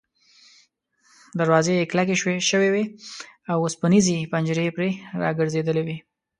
دروازې یې کلکې شوې وې او اوسپنیزې پنجرې پرې را ګرځېدلې وې.